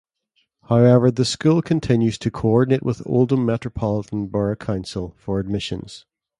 However the school continues to coordinate with Oldham Metropolitan Borough Council for admissions.